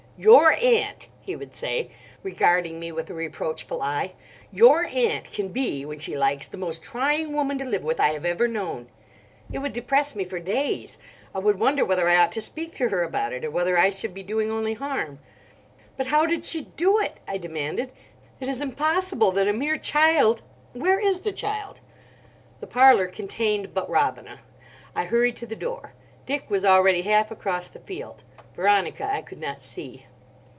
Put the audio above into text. "Your aunt," he would say, regarding me with a reproachful eye, "your aunt can be, when she likes, the most trying woman to live with I have ever known." It would depress me for days. I would wonder whether I ought to speak to her about it, or whether I should be doing only harm. "But how did she do it?" I demanded. "It is impossible that a mere child—where is the child?" The parlour contained but Robina. I hurried to the door; Dick was already half across the field. Veronica I could not see.